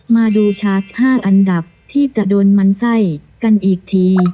มาดูชาร์จ๕อันดับที่จะโดนมันไส้กันอีกที